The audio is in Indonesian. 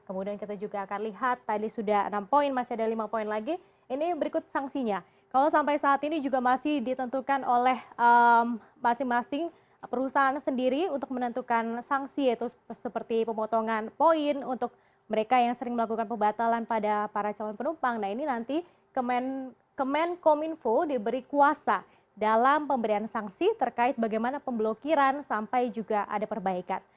kemudian kita juga akan lihat tadi sudah enam poin masih ada lima poin lagi ini berikut sanksinya kalau sampai saat ini juga masih ditentukan oleh masing masing perusahaan sendiri untuk menentukan sanksi yaitu seperti pemotongan poin untuk mereka yang sering melakukan pembatalan pada para calon penumpang nah ini nanti kemenkominfo diberi kuasa dalam pemberian sanksi terkait bagaimana pemblokiran sampai juga ada perbaikan